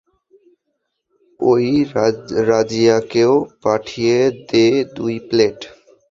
ওই রাজিয়াকেও পাঠিয়ে দে, দুই প্লেট।